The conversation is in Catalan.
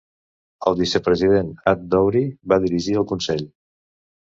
El vicepresident ad-Douri va dirigir el consell.